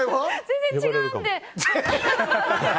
全然違うんで。